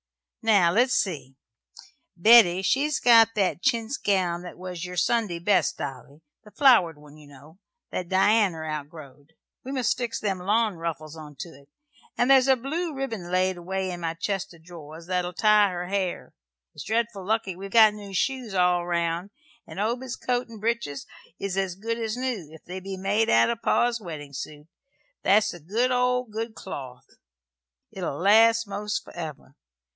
Now, let's see. Betty, she's got that chintz gown that was your Sunday best, Dolly the flowered one, you know, that Dianner outgrowed. We must fix them lawn ruffles into 't; and there's a blue ribbin laid away in my chest o' drawers that'll tie her hair. It's dreadful lucky we've got new shoes all round; and Obed's coat and breeches is as good as new, if they be made out of his pa's weddin' suit. That's the good o' good cloth. It'll last most forever.